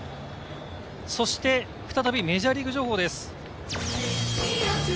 そして再びメジャーリーグ情報です。